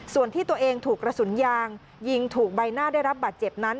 ส่วนที่ตัวเองถูกกระสุนยางยิงถูกใบหน้าได้รับบาดเจ็บนั้น